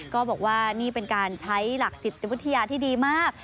ก็บอกว่านี่เป็นการใช้หลักจิตวิทยาที่ดีมาก